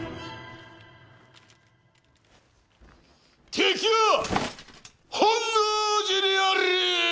敵は本能寺にあり！